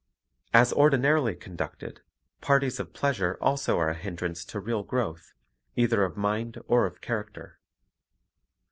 As ordinarily conducted, parties of pleasure also are a hindrance to real growth, either of mind or of character.